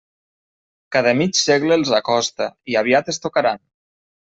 Cada mig segle els acosta, i aviat es tocaran.